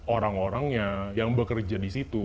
orang orangnya yang bekerja disitu